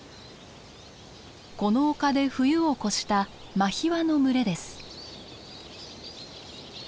この丘で冬を越したマヒワの群れです。